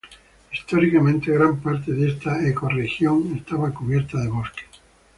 Históricamente, gran parte de esta ecorregión estaba cubierta de bosques.